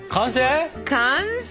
完成？